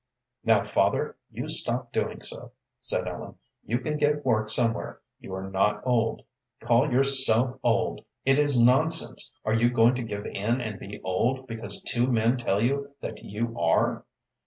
"Now, father, you stop doing so," said Ellen. "You can get work somewhere; you are not old. Call yourself old! It is nonsense. Are you going to give in and be old because two men tell you that you are?